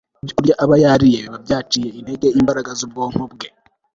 ibyokurya aba yariye biba byaciye intege imbaraga z'ubwonko bwe